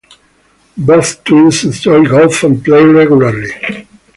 Both twins enjoy golf and play regularly.